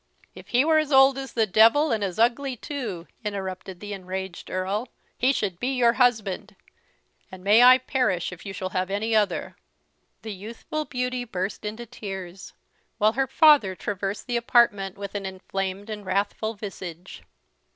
"If he were as old as the devil, and as ugly too," interrupted the enraged Earl, "he should be your husband: and may I perish if you shall have any other!" The youthful beauty burst into tears, while her father traversed the apartment with an inflamed and wrathful visage.